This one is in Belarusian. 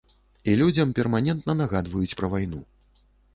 І людзям перманентна нагадваюць пра вайну.